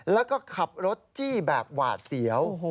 แล้วก็ขับรถจี้แบบหวาดเสียว